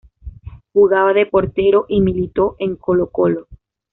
Jugaba de portero y militó en Colo-Colo.